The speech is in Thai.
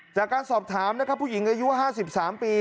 จากการสอบถามนะครับผู้หญิงอายุ๕๓ปี